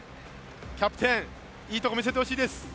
キャプテン、いいところ見せてほしいです。